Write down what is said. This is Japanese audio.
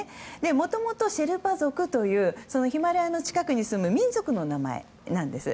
もともと、シェルパ族というヒマラヤの近くに住む民族の名前なんです。